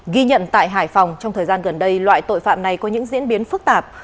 ghi nhận tại hải phòng trong thời gian gần đây loại tội phạm này có những diễn biến phức tạp